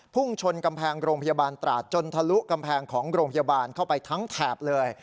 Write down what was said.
พุ่งชนกำแพงโรงพยาบาลตราดจนทะลุกำแพงของโรงพยาบาลเข้าไปทั้งแถบเลย